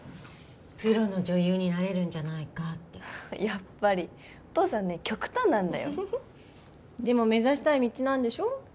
プロの女優になれるんじゃないかってやっぱりお父さんね極端なんだよでも目指したい道なんでしょ？